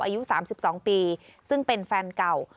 อายุ๓๒ปีซึ่งเป็นแฟนเก่า